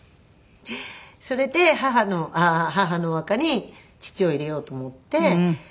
それで母のお墓に父を入れようと思って。